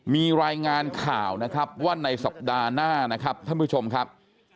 มีรายงานข่าวนะครับว่าในสัปดาห์หน้านะครับท่านผู้ชมครับ